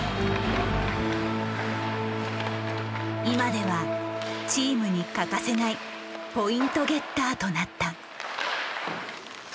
今ではチームに欠かせないポイントゲッターとなった。